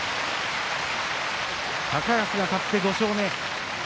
高安が勝って５勝目。